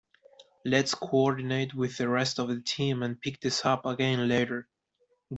Let's coordinate with the rest of the team and pick this up again later.